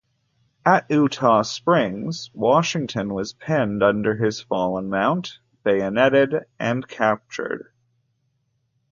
At Eutaw Springs Washington was pinned under his fallen mount, bayoneted, and captured.